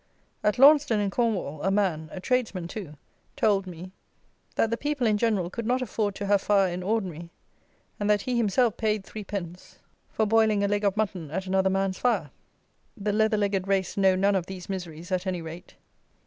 At Launceston in Cornwall a man, a tradesman too, told me, that the people in general could not afford to have fire in ordinary, and that he himself paid 3_d._ for boiling a leg of mutton at another man's fire! The leather legged race know none of these miseries, at any rate.